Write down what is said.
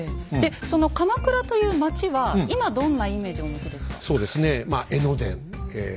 でその鎌倉という町は今どんなイメージをお持ちですか？